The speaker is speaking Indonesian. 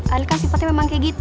adil kan sifatnya memang kayak gitu